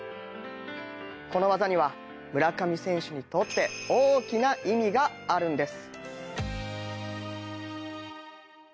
この技には村上選手にとって大きな意味があるんです。